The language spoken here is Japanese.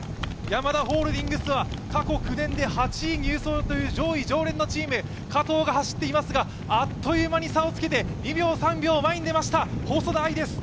ヤマダホールディングスは過去９年で８位入賞という上位常連のチーム、加藤が走っていますがあっという間に差をつけて２秒、３秒前に出ました、細田あいです。